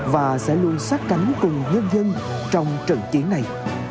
và sẽ luôn sát cánh cùng nhân dân trong trận chiến này